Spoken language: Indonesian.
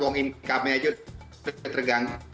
uang income nya aja terganggu